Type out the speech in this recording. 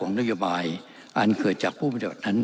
ของและิยบายอันเกิดจากผู้บริษัทนั้น